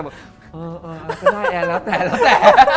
บอกเออก็ได้แอร์แล้วแต่แล้วแต่